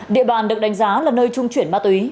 địa bàn được đánh giá là nơi trung chuyển ma túy